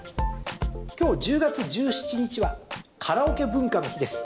今日１０月１７日はカラオケ文化の日です。